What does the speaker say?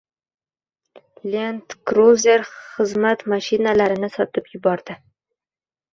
«Lend Kruzer» xizmat mashinalarini sotib yubordi.